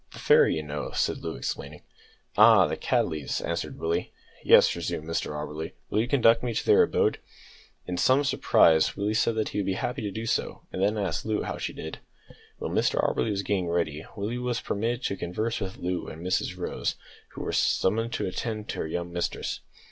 "The fairy, you know," said Loo, explaining. "Ah, the Cattleys," answered Willie. "Yes," resumed Mr Auberly. "Will you conduct me to their abode?" In some surprise Willie said that he would be happy to do so, and then asked Loo how she did. While Mr Auberly was getting ready, Willie was permitted to converse with Loo and Mrs Rose, who was summoned to attend her young mistress.